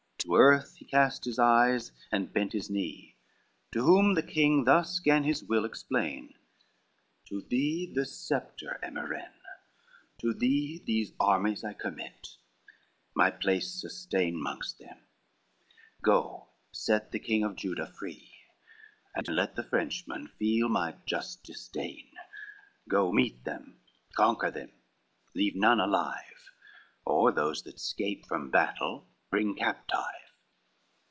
XXXVIII To earth he cast his eyes, and bent his knee: To whom the king thus gan his will explain, "To thee this sceptre, Emiren, to thee These armies I commit, my place sustain Mongst them, go set the king of Judah free, And let the Frenchmen feel my just disdain, Go meet them, conquer them, leave none alive; Or those that scape from battle, bring captive."